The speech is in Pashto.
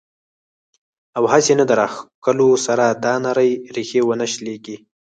او هسې نه د راښکلو سره دا نرۍ ريښې ونۀ شليږي